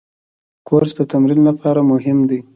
کورس د تمرین لپاره مهم دی.